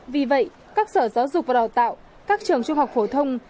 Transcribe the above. vì vậy các sở giáo dục và đào tạo các trường trung học phổ thông